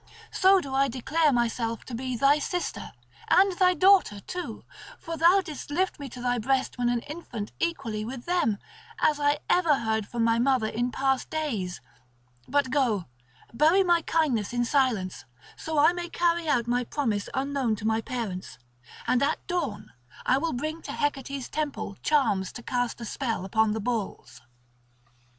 So do I declare myself to be thy sister, and thy daughter too, for thou didst lift me to thy breast when an infant equally with them, as I ever heard from my mother in past days. But go, bury my kindness in silence, so that I may carry out my promise unknown to my parents; and at dawn I will bring to Hecate's temple charms to cast a spell upon the bulls."